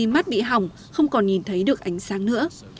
mắt bị hỏng không còn nhìn thấy được ánh sáng nữa